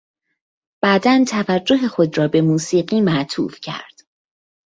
بعدا توجه خود را به موسیقی معطوف کرد.